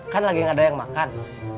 kan lagi gak ada yang makan